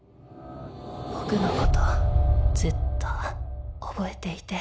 僕のことずっと覚えていて。